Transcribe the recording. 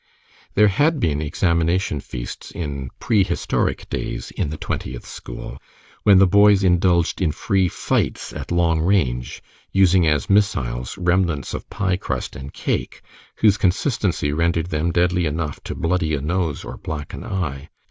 There had been examination feasts in pre historic days in the Twentieth school, when the boys indulged in free fights at long range, using as missiles remnants of pie crust and cake, whose consistency rendered them deadly enough to "bloody" a nose or black an eye.